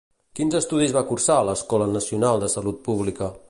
Quins estudis va cursar a l'Escola Nacional de Salut Pública?